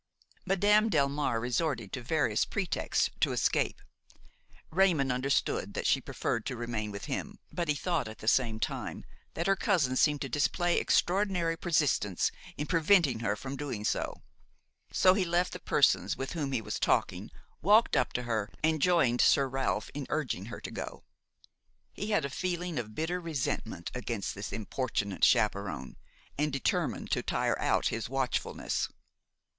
Madame Delmare resorted to various pretexts to escape. Raymon understood that she preferred to remain with him, but he thought at the same time that her cousin seemed to display extraordinary persistence in preventing her from doing so. So he left the persons with whom he was talking, walked up to her and joined Sir Ralph in urging her to go. He had a feeling of bitter resentment against this importunate chaperon, and determined to tire out his watchfulness.